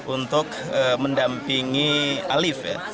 untuk mendampingi alif ya